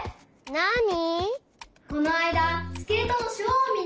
なに？